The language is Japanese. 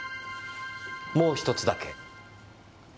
もう１つだけ。